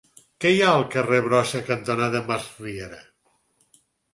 Què hi ha al carrer Brossa cantonada Masriera?